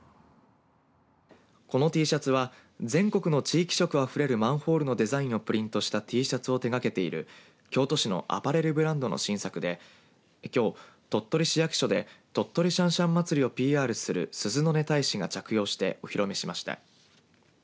このＴシャツは全国の地域色あふれるマンホールのデザインをプリントしたＴシャツを手がけている京都市のアパレルブランドの新作できょう鳥取市役所で鳥取しゃんしゃん祭をＰＲする鈴の音大使が着用してお披露目しました。